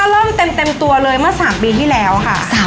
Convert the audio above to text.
เริ่มเต็มตัวเลยเมื่อ๓ปีที่แล้วค่ะ